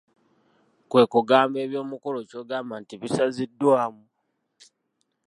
Kwe kugamba eby'omukolo ky'ogamba nti bisaziddwamu?